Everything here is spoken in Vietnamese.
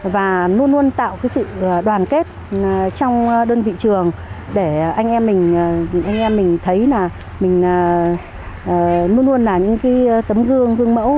và luôn luôn tạo sự đoàn kết trong đơn vị trường để anh em mình thấy là mình luôn luôn là những tấm gương gương mẫu